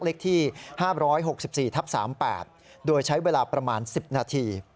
เลขที่๕๖๔ทับ๓๘โดยใช้เวลาประมาณ๑๐นาที